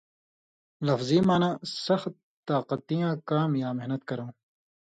لفظی معنہ سخت طاقتیاں کام یا محنت کرؤں